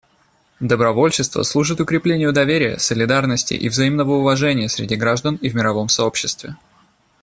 Добровольчество служит укреплению доверия, солидарности и взаимного уважения среди граждан и в мировом сообществе.